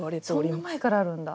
そんな前からあるんだ。